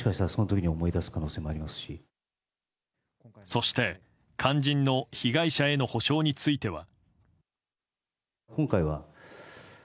そして、肝心の被害者への補償については。